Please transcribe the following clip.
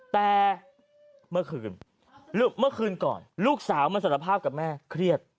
แต่เมื่อคืนก่อนลูกสาวมันสนภาพกับแม่เครียด